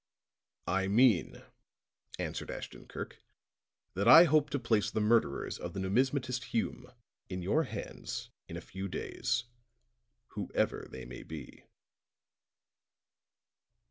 "I mean," answered Ashton Kirk, "that I hope to place the murderers of the numismatist Hume in your hands in a few days whoever they may be."